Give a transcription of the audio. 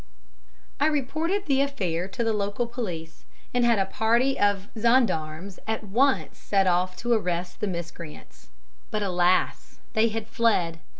"I reported the affair to the local police, and a party of gendarmes at once set off to arrest the miscreants. But, alas, they had fled.